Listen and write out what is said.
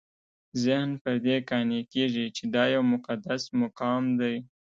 ذهن پر دې قانع کېږي چې دا یو مقدس مقام دی.